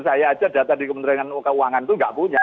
saya aja data di kementerian keuangan itu nggak punya